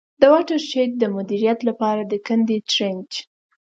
د واټر شید د مدیریت له پاره د کندي Trench.